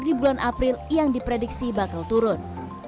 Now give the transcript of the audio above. di bulan april yang diprediksi bakal turun